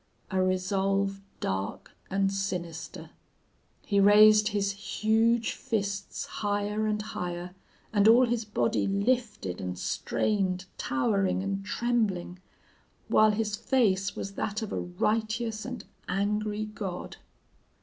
A resolve dark and sinister! "He raised his huge fists higher and higher, and all his body lifted and strained, towering and trembling, while his face was that of a righteous and angry god.